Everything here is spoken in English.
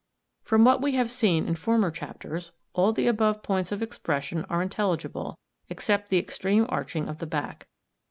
From what we have seen in former chapters, all the above points of expression are intelligible, except the extreme arching of the back.